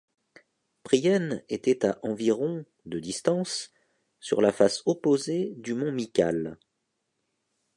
Priène était à environ de distance, sur la face opposée du mont Mycale.